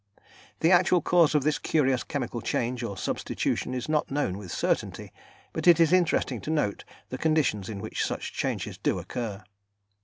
The actual cause of this curious chemical change or substitution is not known with certainty, but it is interesting to note the conditions in which such changes do occur.